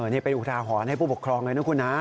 นี่เป็นอุทาหรณ์ให้ผู้ปกครองเลยนะคุณนะ